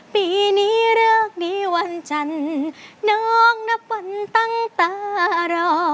ปีนี้เลิกดีวันจันทร์น้องนับวันตั้งตารอ